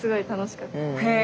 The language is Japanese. へえ。